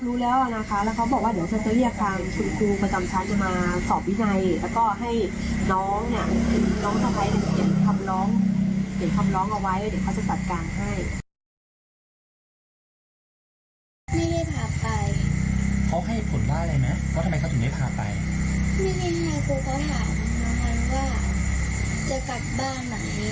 ครูก็ถามมันว่าจะกลับบ้านไหน